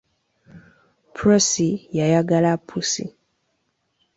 Prosy yayagala pussi.